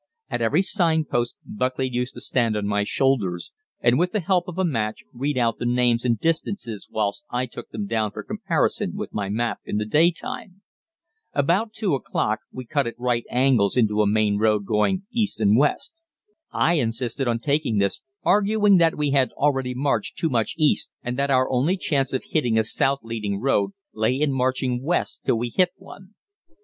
At every sign post Buckley used to stand on my shoulders, and with the help of a match read out the names and distances whilst I took them down for comparison with my map in the day time. About 2 o'clock we cut at right angles into a main road going east and west. I insisted on taking this, arguing that we had already marched too much east and that our only chance of hitting a south leading road lay in marching west till we hit one.